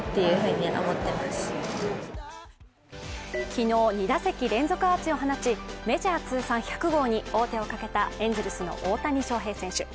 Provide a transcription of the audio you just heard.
昨日、２打席連続アーチを放ちメジャー通算１００号に王手をかけたエンゼルスの大谷翔平選手。